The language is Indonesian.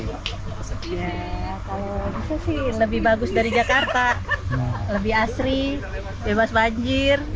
kalau aku sih lebih bagus dari jakarta lebih asri bebas banjir